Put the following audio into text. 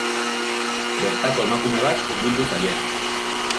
Bertako emakume bat hurbildu zaie.